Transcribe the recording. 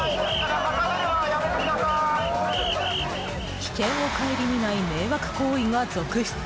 危険を顧みない迷惑行為が続出。